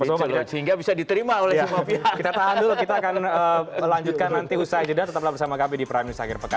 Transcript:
sehingga bisa diterima oleh semua pihak